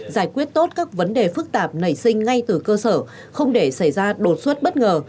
giải quyết tốt các vấn đề phức tạp nảy sinh ngay từ cơ sở không để xảy ra đột xuất bất ngờ